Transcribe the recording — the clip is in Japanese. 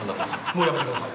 もうやめてください。